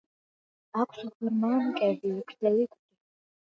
აქვს ღრმა მკერდი, გრძელი კუდი.